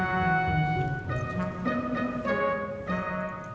dan selamat malam